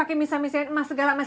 kutip tuju dianggut zu gigabytes